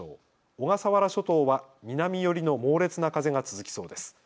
小笠原諸島は南寄りの猛烈な風が続きそうです。